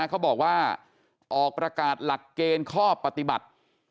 เขาบอกว่าออกประกาศหลักเกณฑ์ข้อปฏิบัติ